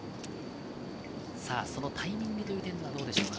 そのタイミングという点ではどうでしょうか？